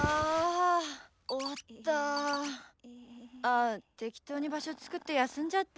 あ適当に場所作って休んじゃって。